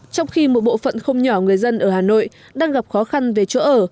trong khi một bộ phận không nhỏ người dân ở hà nội đang gặp khó khăn về chỗ ở